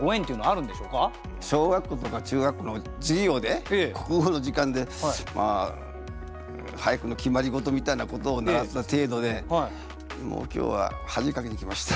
小学校とか中学校の授業で国語の時間で俳句の決まりごとみたいなことを習った程度でもう今日は恥かきに来ました。